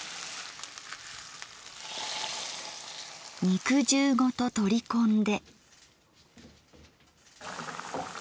肉汁ごと取り込んで。